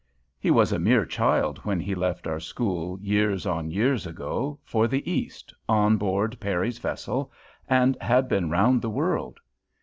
He was a mere child when he left our school years on years ago, for the East, on board Perry's vessel, and had been round the world.